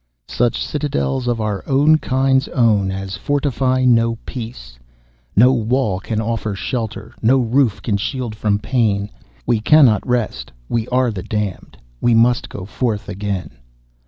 "Such citadels of our kind's own As fortify no peace. "_No wall can offer shelter, No roof can shield from pain. We cannot rest; we are the damned; We must go forth again.